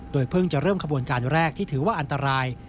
เพิ่งจะเริ่มขบวนการแรกที่ถือว่าอันตราย